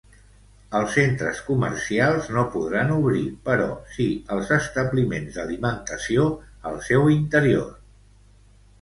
Els centres comercials no podran obrir, però sí els establiments d'alimentació al seu interior.